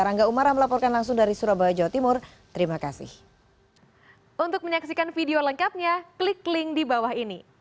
rangga umara melaporkan langsung dari surabaya jawa timur terima kasih